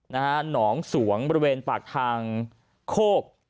หนองสวงบริเวณปากทางโคก